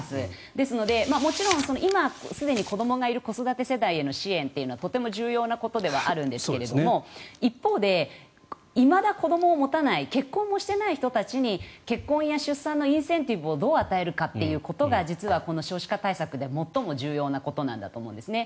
ですので、もちろん今、すでに子どもがいる子育て世代への支援はとても重要なことではあるんですが一方でいまだ子どもを持たない結婚をしてない人たちに結婚や出産のインセンティブをどう与えるかということが実はこの少子化対策では最も重要なことだと思うんですね。